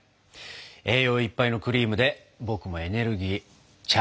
栄養いっぱいのクリームで僕もエネルギーチャージしたいと思います。